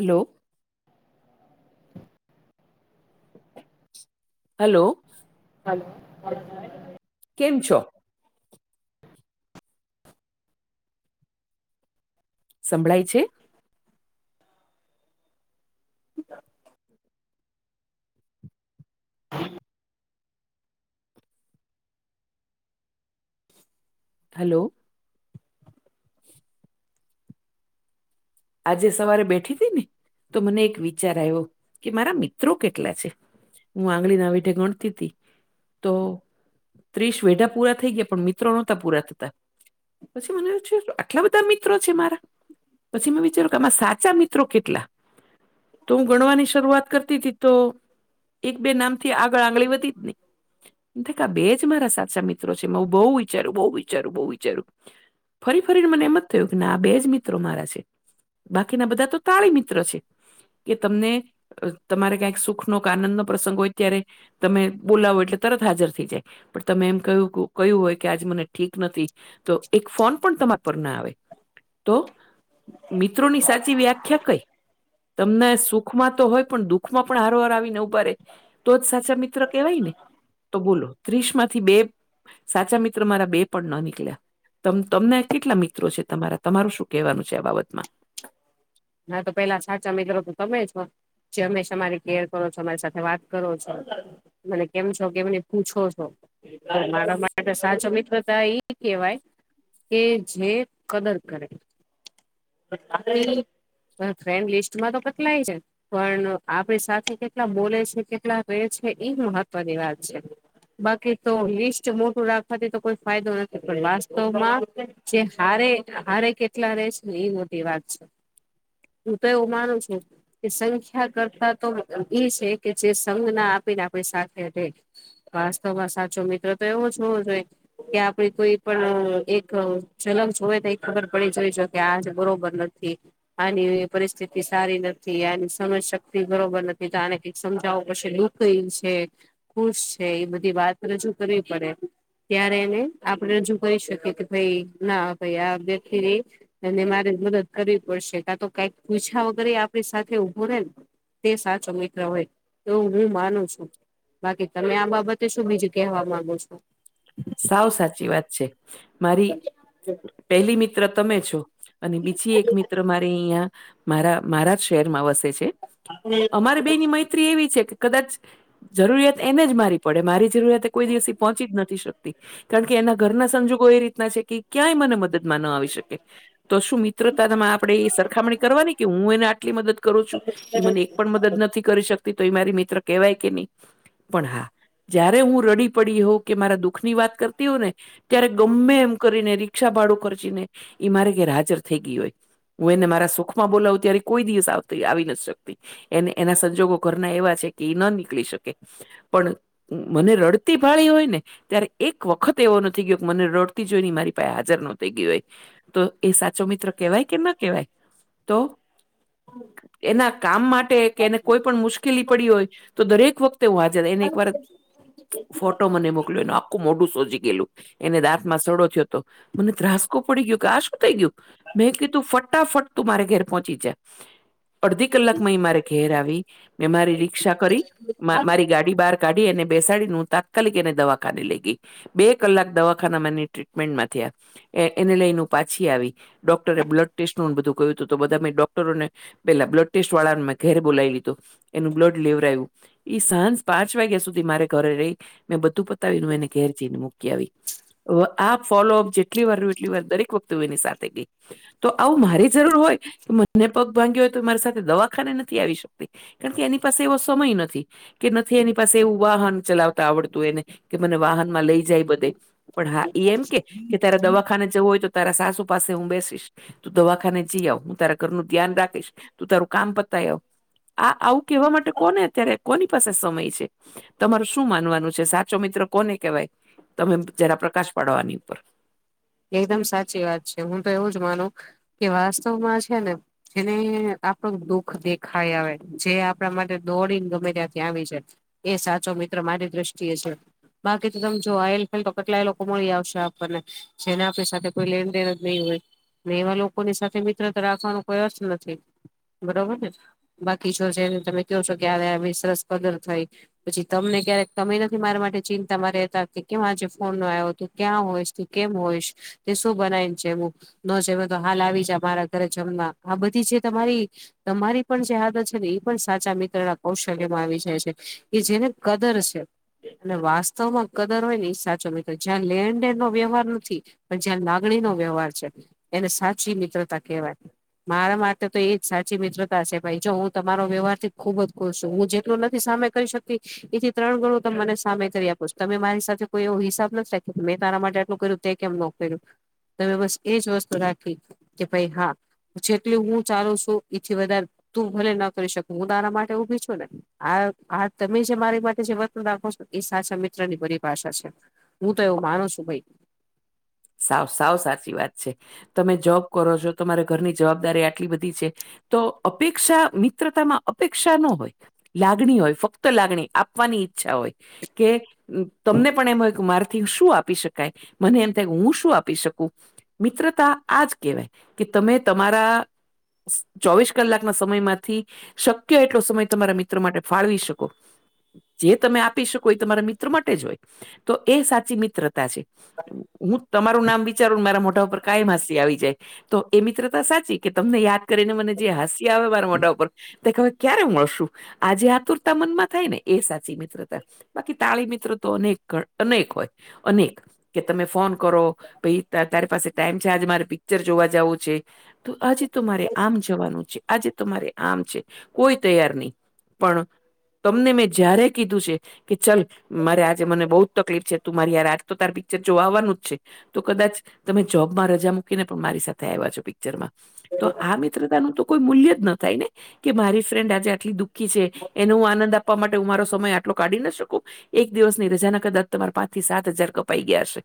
Hello. Hello. Hello હ. કેમ છો? સંભળાય છે? હા. હલો. આજે સવારે બેઠી હતી ને તો મને એક વિચાર આવ્યો કે મારા મિત્રો કેટલા છે. હું આંગળી ના વીઠે ગણતી હતીી તો ત્રીસ વેઢા પૂરા થઈ ગયા પણ મિત્રો નહોતા પૂરા થતા. પછી મને છે આટલા બધા મિત્રો છે મારા. પછી મેં વિચાર્યું કે આમાં સાચા મિત્રો કેટલા તો હું ગણવાની શરૂઆત કરતી હતી તો એક બે નામ થી આગળ આંગળી વધી જ ને બે જ મારા સાચા મિત્રો છે હું બહુ વિચારું બહુ વિચારું બહુ વિચારું. ફરી ફરીને મને એમ જ થયું કે આ બે જ મિત્રો મારા છે. બાકીના બધા તો તાળી મિત્ર છે કે તમને તમારે કંક સુખનોો આનંદ નો પ્રસંગ હોય ત્યારે તમે બોલાવો એટલે તરત હાજર થઈ જાય. પણ તમે એમ ક કયું હોય કે આજે મને ઠીક નથી. તો એક ફોન પણ તમારા પર ના આવે તો. મિત્રોની સાચી વ્યાખ્યા કઈ? તમને સુખમાં તો હોય પણ દુઃખમાં પણ હરોવાર આવીને ઉભારે. તો જ સાચા મિત્ર કવાય ને તો બોલો ત્રીસ માંથી બે સાચા મિત્ર મારા બે પણ ન નીકળ્યા. તમ તમને કેટલા મિત્રો છે તમારા તમારું શું કહેવાનું છે આ બાબતમાં મારા તો પેલા સાચા મિત્રો તો તમે છો. જે હંમેશા અમારી કેર કરો છો અમારી સાથે વાત કરો છો. મને કેમ છો કેમને પૂછો છો. મારા માટે સાચો મિત્રતા એ કેવાય કે જે કદર કરે. આપડે ઈ ફ્રેન્ડ લિસ્ટમાં તો કેટલા છે. પણ આપડી સાથે કેટલા બોલે છે કેટલા રે છે એ મહત્વની વાત છે. બાકી તો લિસ્ટ મોટું રાખવાથી તો કોઈ ફાયદો નથી પણ વાસ્તવમાં જે હારે હારે કેટલા રેશે ને એ મોટી વાત છે. હું તો એવું માનું છું. કે સંખ્યા કરતા તો ઈ છે કે જે સંજ્ઞ આપીને આપણી સાથે રહે. વાસ્તવમાં સાચો મિત્ર તો એવો જવો જોઈએ. કે આપડી કોઈ પણ અહ એક ઝલક જોય તો ખબર પડી જવી જો કે આજ બરોબર નથી. આની એ પરિસ્થિતિ સારી નથી આની સમજ શક્તિ બરોબર નથી તો આને કઈક સમજાવું પડશે દુ ક્લીન છે ખુશ છે એ બધી વાત રજૂ કરવી પડે. ત્યારે એને આપણે રજુ કરી શકીએ કે ભાઈ ના ભાઈ આ વ્યક્તિ એ એને મારે મદદ કરવી પડશે કા તો કાઈક પૂછ્યા વગેરે આપડી સાથે ઊભો રહેે ને તે સાચો મિત્ર હોય તેવું હું માનું છું. બાકી તમે આ બાબતે શું બીજું કેહેવા માંગો છો? સાવ સાચી વાત છે. મારી પહેલી મિત્ર તમે છો. અને બીજી એક મિત્ર મારે અહીંયા મારા મારા શહેરમાં વસે છે અમારે બેની મૈત્રી એવી છે કે કદાચ જરૂરિયાત એને જ મારી પડે મારી જરૂરિયાત એ કોઈ દિવસ પહોંચી જ નથી શક તી કારણ કે એના ઘરના સંજોગો એ રીતના છે કે ક્યાંય મને મદદમાં ન આવી શકે. તો શું મિત્રતામાં આપણેે એ સરખામણી કરવાની કે હું એને આટલી મદદ કરું છું એ મને એક પણ મદદ નથી કરી શકતી તો એ મારી મિત્ર કેહેવાય કે નહી. પણ હા જ્યારે હું રડી પડી હોઉં કે મારા દુ ખની વાત કરતી હોય ને ત્યારે ગમે એમ કરીને રીક્ષા ભાડું ખર્ચી મારે ઘેર હાજર થઈ ગઈ હોય. હું એને મારા સુખમાં બોલાવું ત્યારે કોઈ દિવસ આવતી આવી નત શકતી. એન એના સંજોગો ઘરના એવા છે કે એ ન નીકળી શકે. પણ મને રડતી ભાળી હોય ને ત્યારે એક વખત એવો નથી થઈ ગયો કે મને રડતી જોઈ ને મારી પાસે હાજર નો થઈ ગઈ હોય. તો એ સાચો મિત્ર કેવાય કે ના કેવાય તો. એના કામ માટે કે એને કોઈ પણ મુશ્કેલી પડી હોય તો દરેક વખત તો હું હાજર એને એક વાર ફોટો મને મોકલ્યો નો સોજી ગયેલું એને દાંત માં સડો થયો હતો મને ધ્રાસકો પડી ગયો કે આ શું થઈ ગયું. મેં કે તું ફટાફટ તું મારે ઘેર પહોચી જા. અડધી કલાકમાં એ મારે ઘેર આવી મેં મારી રિકક્ષા કરી મા મારી ગાડી બહાર કાઢી અને બેસાડી હું તાત્કાલિક એને દવાખાને લઈ ગઈ. બે કલાક દવાખાના એની ટ્રીટમેન્ટમાં થયા. એ એને લઈને હું પાછી આવી ડોક્ટરે બ્લડ ટેસ્ટનું બધું કહ્યું હતું તો બધા મેં ડોક્ટરોને પેલા બ્લડ ટેસ્ટ વાળા મેં ઘેરે બોલાવી લીધું એનું બ્લડ લેવરાયું ઈ સાંજ પાંચ વાગ્યા સુધી મારે ઘરે રહી મેં બધું પતાવીને એને ઘેર જઈને મૂકી આવી. વ આ ફોલોઅપ જેટલી વાર રહ્યું એટલી વાર દરેક વખત એની સાથે ગઈ. તો આવું મારી જરૂર હોય કે મને પગ ભાંગ્યો હોય તો મારી સાથે દવાખાને નથી આવી શકતી. કારણ કે એની પાસે એવો સમય નથી. કે નથી એની પાસે એવું વાહન ચલાવતા આવડતું એને કે મને વા માં લઈ જાય બધે પણ હા એમ કે ત્યારે દવાખાને જવું હોય તો તારા સાસુ પાસે હું બેસીશ. તું દવાખાને જઈ આવ હું તારા ઘરનું ધ્યાન રાખીશ તું તારું કામ પતાય આવ આ આવું કવા માટે કોને અત્યારે કોની પાસે સમય છે. તમારું શું માનવાનું છે સાચો મિત્ર કોને કવાય તમે જરા પ્રકાશ પાડવાની ઉપર? એકદમ સાચી વાત છે હું તો એવું જ માનું કે વાસ્તવમાં છે ને જેને આપણું દુઃખ દેખાય આવે જે આપણા માટે દોડીને ગમે ત્યાં ત્યાં આવી જાએ એ સાચો મિત્ર મારી દ્રષ્ટિએ છે. બાકી તો તમે જો આલ ફેલ તો કેટલાય લોકો મળી આવશે આપણને છેને આપી સાથે કોઈ લેનદેન જ નહીં હોય. ને એવા લોકોની સાથે મિત્રતા રાખવાનો કોઈ અર્થ નથી બરોબર ને? બાકી જો છે એને તમે કહો છો કે સરસ કદર થઈ પછી તમને ક્યારેક તમે નથી મારા માટે ચિંતા માં રેહતા કે કેમ આજ ફોન નો આવ્યો હતો ક્યાં હોય કેમ હોયશ તે શું બનાવ્યું છે એવું? ન જામ્યો તો હાલ આવી જા મારા ઘરે જમવા, આ બધી જે તમારી તમારી પણ જે આદત છે ને, એ પણ સાચા મિત્રના કૌશલ્યમાં આવી જાય છે, કે જેને કદર છે. અને વાસ્તવ માં કદર હોય ને એ સાચો મિત્રો, જ્યાં લેણદેણનો વ્યવહાર નથી, પણ જ્યાં લાગણી નો વ્યવહાર છે, એને સાચી મિત્રતા કહેવાય. મારા માટે તો એજ સાચી મિત્રતા છે ભાઈ, જો હું તમારો વ્યવહાર થી ખુબ જ ખુશ છું, હું જેટલું નથી સામે કહી શકી એથી ત્રણ ગણું તમ મને સામે કરી આપો છો, તમે મારી સાથે કોઈ એવો હિસાબ નથી રાખ્યો, કે મેં તારા માટે આટલું કર્યું તે કેમ નો કર્યું? તમે બસ એજ વસ્તુ રાખી, કે ભાઈ હા. જેટલી હું ચાલુ છું, ઈથી વધારે તું ભલે ન કરી શકું, હું તારા માટે તો ઊભી છું ને. આ આ તમે જે મારી માટે જે વર્તન રાખો છો, એ સાચા મિત્ર ની પરીભાષા છે. હું તો એવું માનું છું ભઈ. સાવ, સાવ સાચી વાત છે, તમે જોબ કરો છો, તમારા ઘરની જવાબદારી આટલી બધી છે. તો અપેક્ષા મિત્રતામાં અપેક્ષા ન હોય. લાગણી હોય, ફક્ત લાગણી, આપવાની ઈચ્છા હોય. કે તમને પણ એમ હોય કે મારથી શું આપી શકાય? મને એમ તે હું શું આપી શકું? મિત્રતા આજ કેવાય કે તમે તમારા ચોવીસ કલાકનનો સમય માંથી શક્ય એટલો સમય તમારા મિત્રો માટે ફાળવી શકો. જે તમે આપી શકો, એ તમારા મિત્રો માટે જ હોય, તો એ સાચી મિત્રતા છે. [inaudible] હું તમારું નામ વિચારું, મારા મોટા ઉપર કાયમ મહસી આવી જાય. તો એ મિત્રતા સાચી, કે તમને યાદ કરીને મને જે હસી આવે એ માર મોટા ઉપર તે ખત ક્યારે મળશું? આ જે આતુરતા મનમાં થાય ને એ સાચી મિત્રતા. બાકી તાળી મિત્રો તો અનેક કણ, અનેક હોય, અનેક. કે તમે ફોન કરો, પઈ તાર તારે પાસે ટાઈમ છે, આજે મારે પિક્ચર જોવા જાવું છે. તો આજે તો મારે આમ જવાનું છે, આજે તો મારે આમ છે, કોઈ તૈયાર નહી. પણ, તમને મેં જ્યારે કીધું છે. કે ચલ, મારે આજે મને બહુ જ તકલીફ છે, તું મારી યાર આજ તો તાર પી જે જોવાવાનું જ છે, તો કદાચ તમે જોબમાં રજા મૂકીને પણ મારી સાથે આઇવા છો, પિ ચ્ચરમાં, તો આ મિત્રતા નું તો કોઈ મૂલ્ય જ ન થાય ને. કે મારી ફ્રેન્ડ આજે આટલી દુઃખી છે, એનો હું આનંદ આપવા માટે હું મારો સમય આટલો કાઢી ના શકું. એક દિવસની રજાના કદાચ તમારા પાંચ થી સાત હજાર કપાઈ ગયા હશે.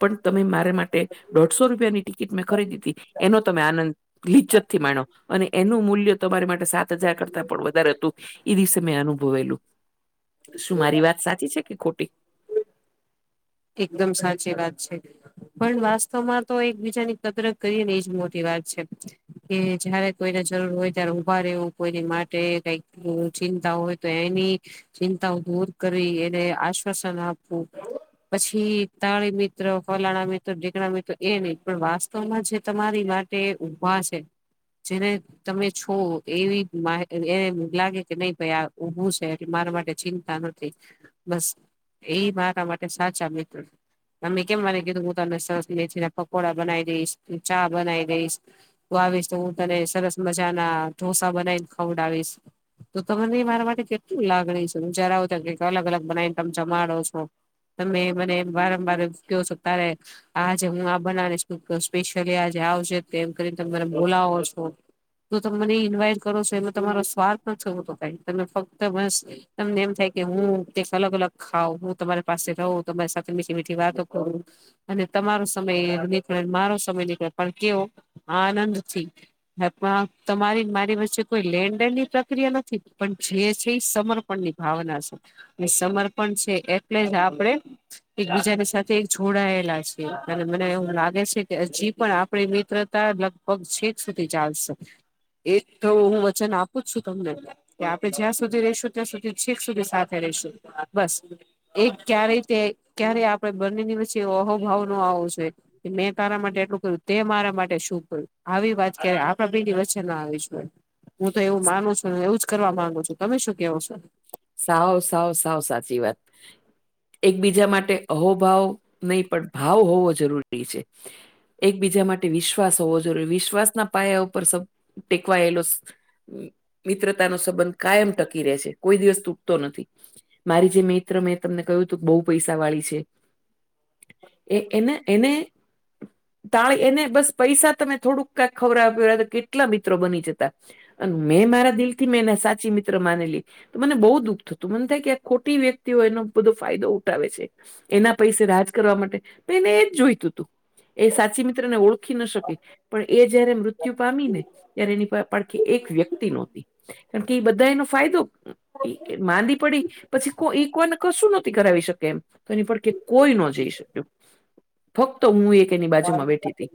પણ તમે મારે માટે, દોઢસો રૂપિયાની ટિકિટ મેં ખરીદી હતી, એનો તમે આનંદ લિચ્ચત થી માણ્યો, અને એનું મૂલ્ય તમારી માટે સાત હજાર કરતા પણ વધારે હતું. એ દિવસે મેં અનુભવેલું, શું મારી વાત સાચી છે કે ખોટી? એકદમ સાચી વાત છે. પણ વાસ્તવમાં તો એકબીજાની કદરત કરીએ ને એજ મોટી વાત છે. કે જયારે કોઈને જરૂર હોય ત્યારે ઉભા રહેવું, કોઈની માટે કઈક હો ચિંતા હોય તો, એની ચિંતાઓ દૂર કરી, એને આશ્વાસન આપવું. પછી તાળી મિત્ર, ફલાણા મિત્ર, ઢીકણા મિત્ર એ નહી, પણ વાસ્તવમાં જે તમારી હા તે ઊભા છે, જેને તમે છો, એવી માહે એને લાગે કે નહી ભાઈ આ ઉભું છે, કે મારા માટે ચિંન તાનથી, બસ એ મારા માટે સાચા મિત્રો. તમે કેમ મને કીધું, હું તને સરસ મેથી ના પકોડા બનાવી દઈશ, ચા બનાવી દઈશ. હુ આવીશ તો, હું તને સરસ મજા ના ઢોસા બનાવીને ખવડાવીશ. તો તમને મારા માટે કેટલું લાગણી છે, હું જરા આવું ત્યારે કંઈક અલગ અલગ બનાવીને તમે જમાડો છો. તમે મને વારંવાર કેવો છો, તારે આજે હું આ બનાવીશ, સ્પેશિયલી આજે આવજે, એમ કરીનેને બોલાવો છો. જો તમે મને ઈન્વાઈટ કરો છો એમાં તમારો સ્વાર્થ નથી હોતો કાઈ તમે ફક્ત મસ્ તમને એમ થાય કે હું અલગ-અલગ ખાવ હું તમારે પાસે રઉ, તમારી સાથે મીઠી-મીઠી વાતો કરું. અને તમારો સમય નીકળે ને મારો સમય નીકળે પણ કેવો આનંદથી. હે પણ તમારી મારી વચ્ચે કોઈ લેણદેણની પ્રક્રિયા નથી પણ જે છે સમર પણની ભાવના છે અને સમર્પણ છે એટલે જ આપણે એકબીજાની સાથે જોડાયેલા છે અને મને એવું લાગે છે કે હજી પણ આપણે મિત્ર તા લગભગ છેક સુધી ચાલશે એ તો હું વચન આપું છું તમને. કે આપણે જ્યાં સુધી રહીશું ત્યાં સુધી છેક સુધી સાથે રહીશું બસ. એ ક્યારેય તે ક્યારેય આપણે બંનેની વ્ચચે અહોભાવ નો આવવો- મેં તારા માટે એટલું કર્યું તે મારા માટે શું આવી વાત ક્યારે આપણા બેયની વચ્ચે ના આવીશ જોઈએ હું તો એવું માનું છું ને એવું જ કરવા માંગું છું તમે શું કેવો શો? સાવ સાવ સાવ સાચી વાત. એકબીજા માટે અહોભાવ નઈ પણ ભાવ હોવો જરૂરી છે. એકબીજા માટે વિશ્વાસ હોવો જરૂરી વિશ્વાસના પાયા ઉપર સ ટેકવાયેલો સ મિત્રતાનો સંબંધ કાયમ ટકી રહે છે કોઈ દિવસ તૂ ટતો નથી મારી જે મિત્ર મેં તમને કહ્યું હતું બહુ પૈસાવાળી છે. એ એને એને તાણ એને બસ પૈસા તમે થોડુંક કાક ખવરાય પિવરાઈ દેતા કેટલા મિત્રો બની જતા. મેં મારા દિલથી મેં એને સાચી મિત્ર માનેલી તો મને બઉ દુખ થતું મને થાય કે આ ખોટી વ્યક્તિઓ એનો બધો ફાયદો ઉઠાવે છે. એના પૈસે રાજ કરવા માટે પણ એને એ જ જોઈતું હતું. એ સાચી મિત્રને ઓળખી ન શકી. પણ એ જયારે મૃત્યુ પામીને ત્યારે એની પાડખે એક વ્યક્તિ નહોતી. કારણ કે એ બધા એનો ફાયદો માંદી પડી. પછી કો ઈ કોઈને કશું નથી કરાવી શકે એમ તો એની પડખે કોઈ ન જઈ શક્યું. ફક્ત હું એક એની બાજુમાં બેઠી હતી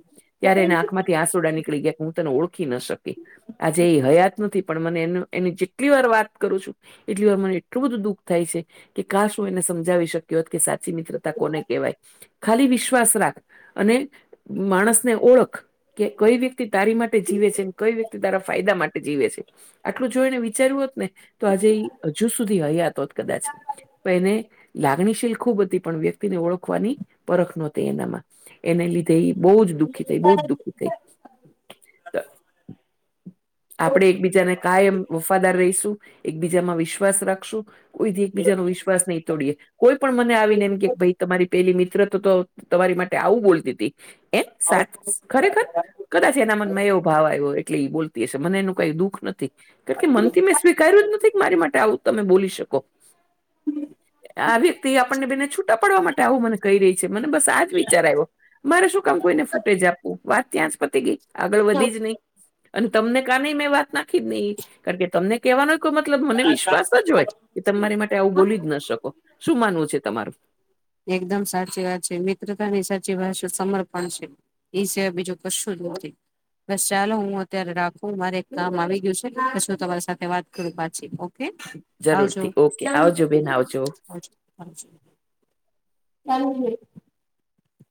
ત્યારે એના આંખમાં આસુડા નીકળી ગયાં કે હું તને ઓળખી ન શકી. આજે એ હયાત નથી પણ મને એન એની જેટલી વાર વાત કરું છું એટલી વાર મને એટલું બધું દુઃખ થાય છે. કે કાશ હું એને સમજાવી શકી હોય કે સાચી મિત્રતા કોને કહેવાય. ખાલી વિશ્વાસ રાખ અને માણસને ઓળખ. કે કઈ વ્યક્તિ તારી માટે જીવે છે ને કઈ વ્યક્તિ તારા ફાયદા માટે જીવે છે. આટલું જો એને વિચાર્યું હોત ને તો આજે ઈ હજુ સુધી હયાત હોત કદાચ. પેણ એને લાગણીશીલ ખૂબ હતી પણ વ્યક્તિને ઓળખવાની પરખ નહોતી એનામાં. એને લીધે બહુ જ દુઃખી થઈ, બહુ જ દુઃખી થઈ. તો આપણે એકબીજાને કાયમ વફાદાર રહીશું, એકબીજામાં વિશ્વાસ રાખશું. કોઈ દી એકબીજાનો વિશ્વાસ નહીં તોડીએ. કોઈ પણ મને આવીને એમ કે ભઈ તમારી પેલી મિત્ર તો તો તમારી માટે આવું બોલતી તી. એમ સાચ ખરેખર? કદાચ એના મનમાં એવો ભાવ આવ્યો એટલે ઈ બોલ તી હશે મને એનું કાઈ દુઃખ નથી. કારણ કે મનથી મેં સ્વીકાર્યું જ નથી કે મારી માટે આવું તમે બોલી શકો. આ વ્યક્તિ આપણને બેને છૂટા પાડવા માટે આવું મને કહી રહી છે મને બસ આ જ વિચાર આય્વો. મારે શું કામ કોઈને ફૂટેજ આપવું? વાત ત્યાં જ પતી ગઈ, આગળ વધી જ નહીં. અને તમને કાનેય મેં વાત નાખી જ નહીં. કારણ કે તમને કેહવાનો કોય મતલબ મને વિશ્વાસ જ હોય કે તમે મારી માટે આવું બોલી જ ન શકો. શું માનવું છે તમારું? એકદમ સાચી વાત છે, મિત્રતાની સાચી ભાષા સમર્પણ છે. એ સિવા બીજું કશું જ નહોતી. બસ ચાલો હું અત્યારે રાખું મારે એક કામ આવી ગયું છે પછી તમારી સાથે વાત કરું પાછી ઓ કે આવજો. જરૂરથી ઓકે આવજો બેન આવજો આવજો, આવજો. આનું જોઈ.